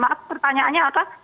maaf pertanyaannya apa